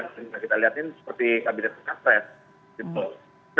kita lihatin seperti kabinet nyapres